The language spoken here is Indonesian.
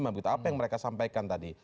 apa yang mereka sampaikan tadi